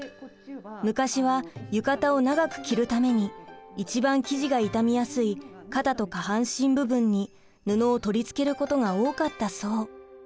昔は浴衣を長く着るために一番生地が傷みやすい肩と下半身部分に布を取り付けることが多かったそう。